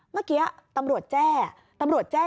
เมื่อกี้ตำรวจแจ้ตำรวจแจ้